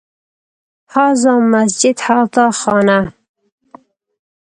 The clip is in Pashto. هذا مسجد، هذا خانه